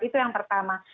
itu yang pertama